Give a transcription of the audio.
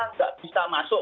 tidak bisa masuk